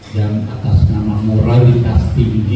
dan atas nama moralitas tinggi